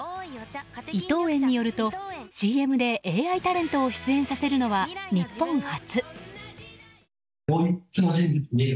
伊藤園によると、ＣＭでＡＩタレントを出演させるのは日本初。